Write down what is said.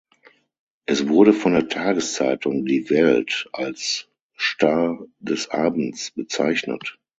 Es wurde von der Tageszeitung Die Welt als „Star des Abends“ bezeichnet.